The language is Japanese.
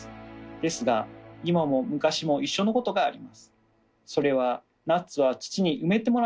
ですが今も昔も一緒のことがあります。